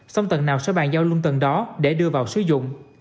xong tầng nào sẽ bàn giao luôn tầng đó để đưa vào sử dụng